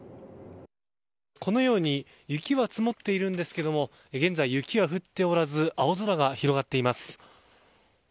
このように雪は積もっているんですけれども現在雪は降っておらず青空が広がっています。